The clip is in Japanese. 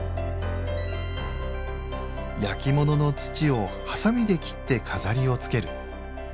焼きものの土をハサミで切って飾りをつける。